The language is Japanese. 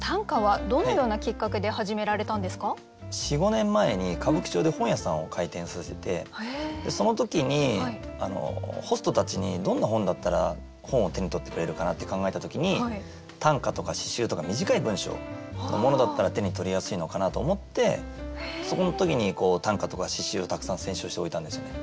４５年前に歌舞伎町で本屋さんを開店させてその時にホストたちにどんな本だったら本を手に取ってくれるかなって考えた時に短歌とか詩集とか短い文章のものだったら手に取りやすいのかなと思ってその時に短歌とか詩集をたくさん選集して置いたんですよね。